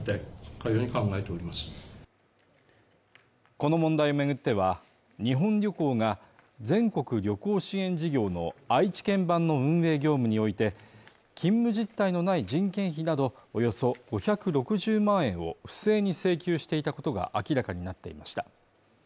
この問題を巡っては、日本旅行が全国旅行支援事業の愛知県版の運営業務において、勤務実態のない人件費などおよそ５６０万円を不正に請求していたことが明らかになっていました。